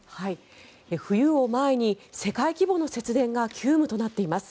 冬を前に世界規模の節電が急務となっています。